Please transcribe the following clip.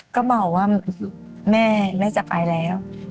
ก็บอกว่าแม่แม่จะไปแล้ว